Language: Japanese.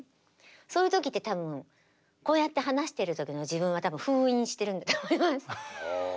そういう時って多分こうやって話してる時の自分は封印してるんだと思います。